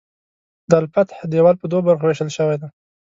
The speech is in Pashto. د الفتح دیوال په دوو برخو ویشل شوی دی.